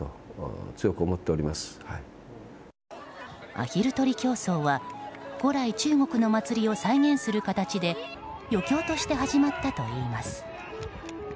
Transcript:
アヒル取り競争は古来中国の祭りを再現する形で余興として始まったといいます。